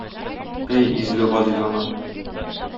Әй, изге газиз ана.